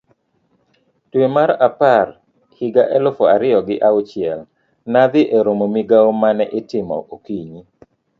Dwe mar apar higa aluf ariyo gi auchiel, nadhi eromo Migawo mane itimo okinyi.